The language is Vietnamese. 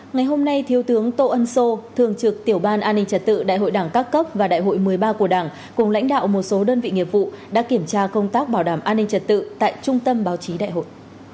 ngày hôm nay thiếu tướng tô ân sô thường trực tiểu ban an ninh trật tự đại hội đảng các cấp và đại hội một mươi ba của đảng cùng lãnh đạo một số đơn vị nghiệp vụ đã kiểm tra công tác bảo đảm an ninh trật tự tại trung tâm báo chí đại hội